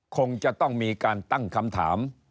คงจะต้องมีการตั้งคำถาม